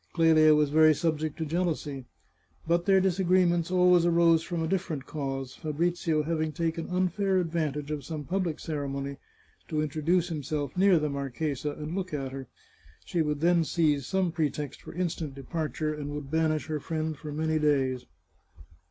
Clelia was very subject to jealousy. But their disagreements almost always arose from a diflFerent cause — Fabrizio having 529 The Chartreuse of Parma taken unfair advantage of some public ceremony to intro duce himself near the marchesa and look at her ; she would then seize some pretext for instant departure, and would banish her friend for many days.